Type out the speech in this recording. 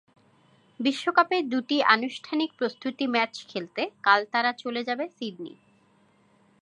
বিশ্বকাপের দুটি আনুষ্ঠানিক প্রস্তুতি ম্যাচ খেলতে কাল তারা চলে যাবে সিডনি।